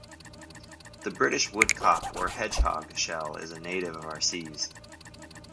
The British woodcock or hedgehog shell is a native of our seas.